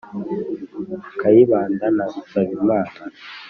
kayibanda na nsabimana